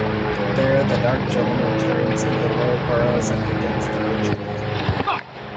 There, The Dark Gentlemen turns into Lord Burroughs and begins the Ritual.